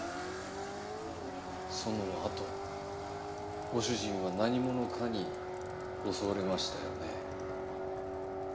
そのあとご主人は何者かに襲われましたよね